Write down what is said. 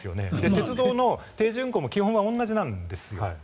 鉄道の定時運行も基本は同じなんです。